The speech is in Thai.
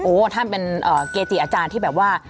ท่านเป็นเกจิอาจารย์ที่แบบว่า